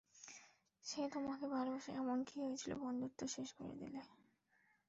সে তোমাকে ভালবাসে, এমন কি হয়েছিলো, বন্ধুত্ব শেষ করে দিলে?